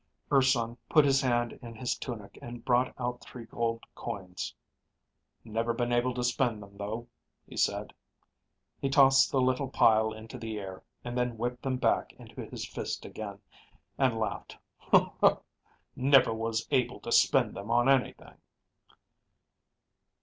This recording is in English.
Urson put his hand in his tunic and brought out three gold coins. "Never been able to spend them, though," he said. He tossed the little pile into the air, and then whipped them back into his fist again, and laughed. "Never was able to spend them on anything."